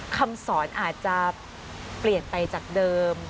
คำสอนอาจจะเปลี่ยนไปจากเดิม